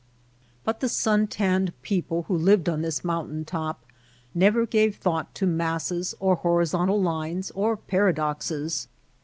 But the sun tanned people who lived on this mountain top never gave thought to masses, or horizontal lines, or paradoxes.